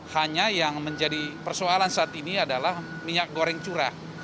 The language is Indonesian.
hanya yang menjadi persoalan saat ini adalah minyak goreng curah